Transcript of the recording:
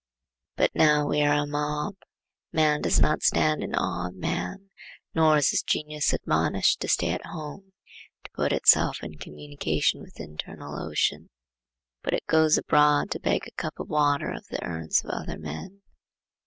But now we are a mob. Man does not stand in awe of man, nor is his genius admonished to stay at home, to put itself in communication with the internal ocean, but it goes abroad to beg a cup of water of the urns of other men.